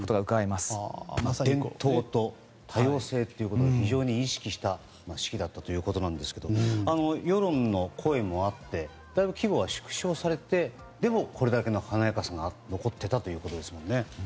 まさに伝統と多様性を非常に意識した式だったということですが世論の声もあってだいぶ規模は縮小されてでも、これだけの華やかさが残っていたということですね。